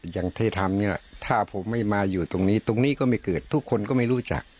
อย่างที่ทำนี่แหละถ้าผมไม่มาอยู่ตรงนี้ตรงนี้ก็ไม่เกิดทุกคนก็ไม่รู้จัก